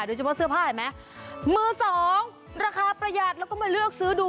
โดยเฉพาะเสื้อผ้าเห็นไหมมือสองราคาประหยัดแล้วก็มาเลือกซื้อดู